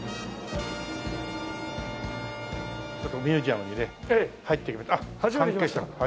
ちょっとミュージアムにね入ってみよう。